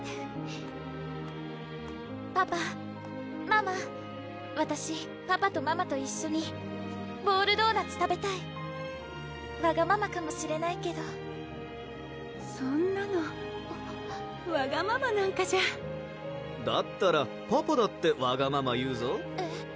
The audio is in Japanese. パパママわたしパパとママと一緒にボールドーナツ食べたいわがままかもしれないけどそんなのわがままなんかじゃだったらパパだってわがまま言うぞえっ？